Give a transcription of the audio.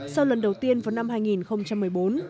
sau lần đầu tiên vào năm hai nghìn một mươi bốn